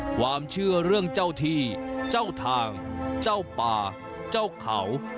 ความเชื่อเรื่องเจ้าที่เจ้าทางเจ้าป่าเจ้าเขา